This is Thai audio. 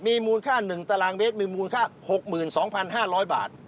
มีมูลค่า๑ตารางเมตรมีมูลค่า๖๒๕๐๐บาท